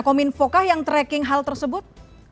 kominfo kah yang tracking hal tersebut